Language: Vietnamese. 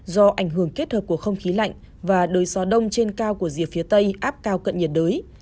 do ảnh hưởng kết hợp của không khí lạnh và đới gió đông trên cao của rìa phía tây áp cao cận nhiệt đới